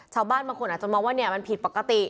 ชาวบ้านบางคนอาจจะมองว่ามันผิดปกติ